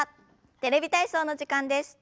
「テレビ体操」の時間です。